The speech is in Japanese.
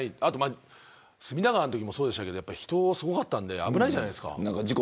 隅田川のときもそうでしたけど人がすごかったんで危ないじゃないですか。